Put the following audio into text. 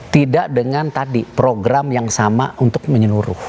tidak dengan tadi program yang sama untuk menyeluruh